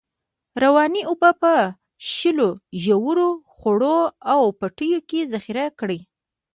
روانې اوبه په په شیلو، ژورو، خوړو او پټیو کې ذخیره کړی.